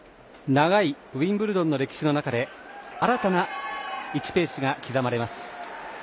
長いウィンブルドンの歴史の中で新たな１ページが刻まれます。